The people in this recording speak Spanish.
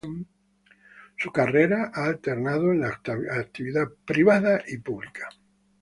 Su carrera ha alternado en la actividad privada y pública.